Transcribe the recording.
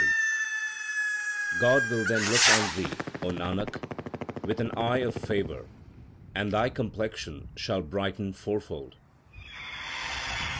24 THE SIKH RELIGION God will then look on thee, O Nanak, with an eye of favour, and thy complexion shall brighten fourfold.